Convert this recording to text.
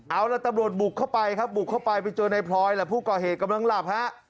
เอาล่ะตำรวจบุกเข้าไปครับบุกเข้าไปไปเจอในพลอยแหละผู้ก่อเหตุกำลังหลับฮะ